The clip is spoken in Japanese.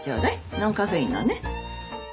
ノンカフェインのね。